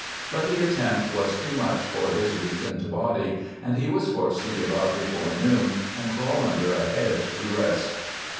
But the attempt was too much for his weakened body, and he was forced to give up before noon and crawl under a hedge to rest.